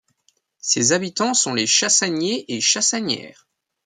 Ses habitants sont les Chassagniers et Chassagnières.